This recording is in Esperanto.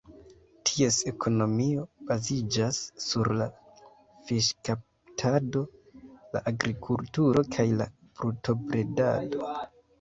Ties ekonomio baziĝas sur la fiŝkaptado, la agrikulturo kaj la brutobredado.